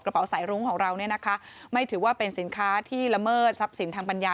กระเป๋าสายรุ้งของเราเนี่ยนะคะไม่ถือว่าเป็นสินค้าที่ละเมิดทรัพย์สินทางปัญญา